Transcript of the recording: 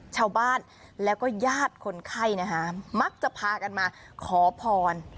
ชาวบ้านแล้วก็ญาติคนไข้นะคะมักจะพากันมาขอพร